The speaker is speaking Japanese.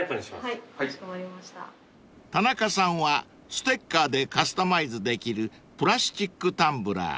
［田中さんはステッカーでカスタマイズできるプラスチックタンブラー］